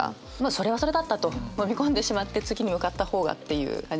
それはそれだったと飲み込んでしまって次に向かった方がっていう感じですかね。